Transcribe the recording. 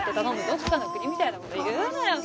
どっかの国みたいなこと言うなよ」